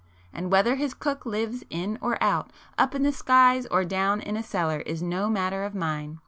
And whether his cook lives in or [p 125] out, up in the skies or down in a cellar is no matter of mine.